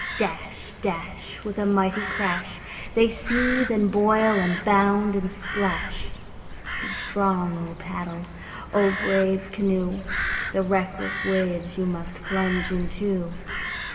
Dash, dash, With a mighty crash, They seethe, and boil, and bound, and splash. Be strong, O paddle! be brave, canoe! The reckless waves you must plunge into.